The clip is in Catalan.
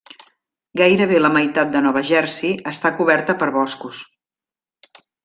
Gairebé la meitat de Nova Jersey està coberta per boscos.